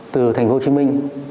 từ thành phố hồ chí minh